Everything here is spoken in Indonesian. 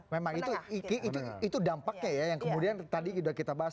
memang itu dampaknya ya yang kemudian tadi sudah kita bahas